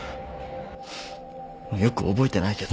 よく覚えてないけど。